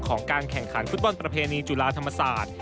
ของการแข่งขันฟุตบอลประเพณีจุฬาธรรมศาสตร์